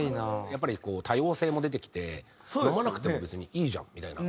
やっぱりこう多様性も出てきて飲まなくても別にいいじゃんみたいな。